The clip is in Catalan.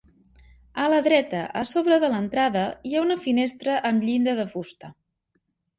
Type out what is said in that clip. A la dreta, a sobre de l'entrada, hi ha una finestra amb llinda de fusta.